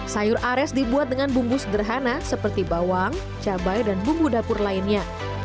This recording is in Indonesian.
sayur ares dibuat dengan bumbu sederhana seperti bawang cabai dan bumbu dapur lainnya